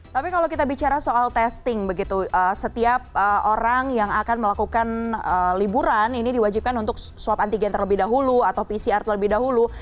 tapi kalau kita bicara soal testing begitu setiap orang yang akan melakukan liburan ini diwajibkan untuk swab antigen terlebih dahulu atau pcr terlebih dahulu